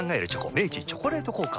明治「チョコレート効果」